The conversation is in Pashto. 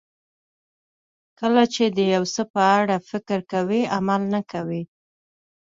کله چې د یو څه په اړه فکر کوئ عمل نه کوئ.